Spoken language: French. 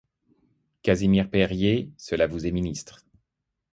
Casimir-Perier ! cela vous est ministre.